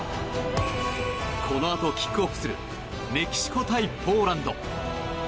このあとキックオフするメキシコ対ポーランド。